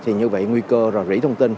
thì như vậy nguy cơ rỉ thông tin